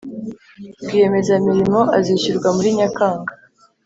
Rwiyemezamirimo azishyurwa muri nyakanga